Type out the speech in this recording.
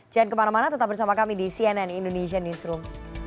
jangan kemana mana tetap bersama kami di cnn indonesia newsroom